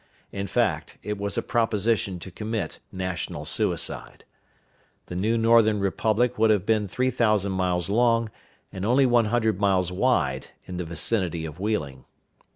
In fact, it was a proposition to commit national suicide. The new Northern republic would have been three thousand miles long, and only one hundred miles wide, in the vicinity of Wheeling.